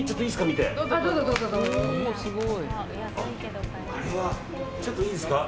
見ていいですか。